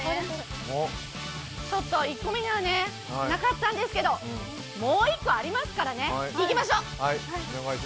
１個目にはなかったんですけど、もう１個ありますからね、いきましょう。